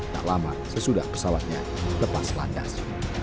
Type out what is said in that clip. tak lama sesudah pesawatnya lepas landas